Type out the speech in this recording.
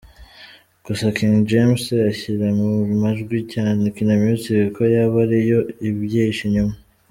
Gusa King James ashyira mu majwi cyane Kina Music ko yaba ariyo ibyihishe inyuma.